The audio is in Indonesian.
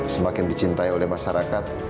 semakin dicintai oleh masyarakat